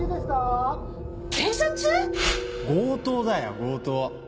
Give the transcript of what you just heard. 強盗だよ強盗。